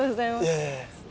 いえいえ。